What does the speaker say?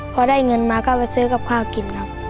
พอได้เงินมาก็ไปซื้อกับข้าวกินครับ